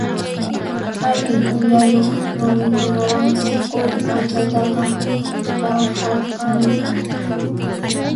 Allin uyayuq rumikunawansi Quri kanchataqa rawkharqanku.